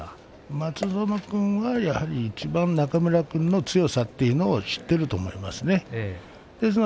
松園君はいちばん中村君の強さというのを知っていると思います。